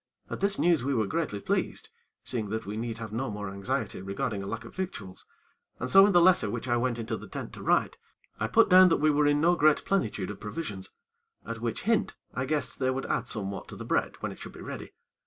At this news we were greatly pleased, seeing that we need have no more anxiety regarding a lack of victuals, and so in the letter which I went into the tent to write, I put down that we were in no great plentitude of provisions, at which hint I guessed they would add somewhat to the bread when it should be ready.